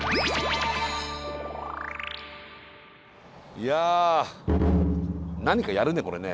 いや何かやるねこれね。